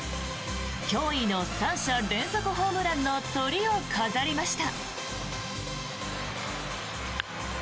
驚異の３者連続ホームランのトリを飾りました。